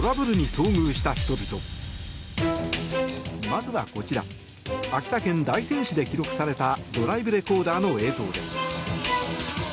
まずはこちら秋田県大仙市で記録されたドライブレコーダーの映像です。